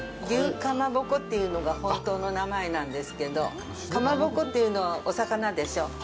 「牛かまぼこ」というのが本当の名前なんですけど、かまぼこというのはお魚でしょ？